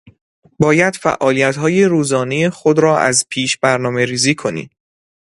باید فعالیتهای روزانهی خود را از پیش برنامهریزی کنی.